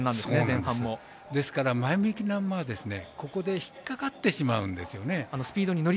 ですから前向きな馬はここで引っ掛かってしまうんですよね。